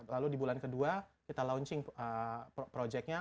lalu di bulan kedua kita launching projectnya